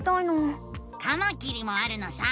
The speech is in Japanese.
カマキリもあるのさ！